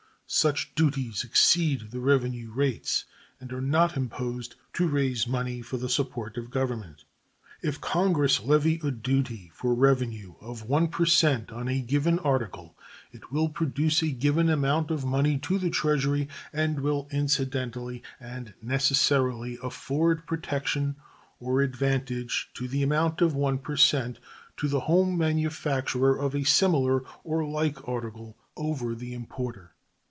Such duties exceed the revenue rates and are not imposed to raise money for the support of Government. If Congress levy a duty for revenue of 1 per cent on a given article, it will produce a given amount of money to the Treasury and will incidentally and necessarily afford protection or advantage to the amount of 1 per cent to the home manufacturer of a similar or like article over the importer.